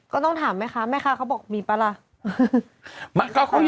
ก็ต้องถามแม่คะเม่าขาบอกมีประ